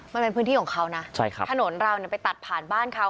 มันเป็นพื้นที่ของเขานะถนนเราไปตัดผ่านบ้านเขา